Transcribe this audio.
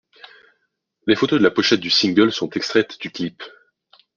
Les photos de la pochette du single sont extraites du clip.